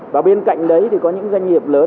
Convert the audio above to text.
và bên cạnh đấy thì có những doanh nghiệp lớn